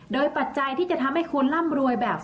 โดยปัจจัยที่จะทำให้คุณร่ำรวยแบบ